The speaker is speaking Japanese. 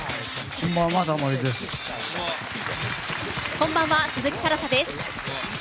こんばんは、鈴木新彩です。